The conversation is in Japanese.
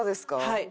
はい。